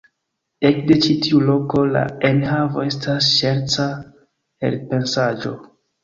Ekde ĉi tiu loko la enhavo estas ŝerca elpensaĵo.